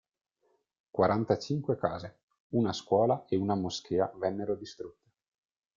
Quarantacinque case, una scuola e una moschea vennero distrutte